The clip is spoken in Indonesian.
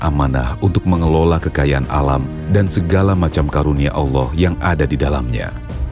amanah untuk mengelola kekayaan alam dan segala macam karunia allah yang ada di dalamnya